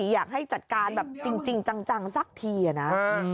อยากให้จัดการแบบจริงจังสักทีอะนะ